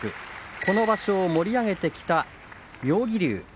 この場所を盛り上げてきた妙義龍です。